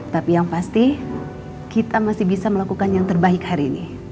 tapi yang pasti kita masih bisa melakukan yang terbaik hari ini